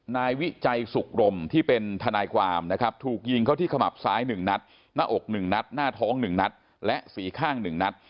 นายวิจัยสุขรมที่เป็นทนายความนะครับถูกยิงเข้าที่ขมับซ้าย๑นัดหน้าอก๑นัดหน้าท้อง๑นัดและสีข้าง๑นัด